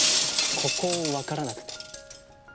ここ分からなくて。